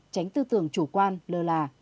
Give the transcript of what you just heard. tránh tư tưởng chủ quan lơ là